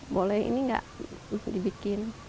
boleh ini tidak dibuat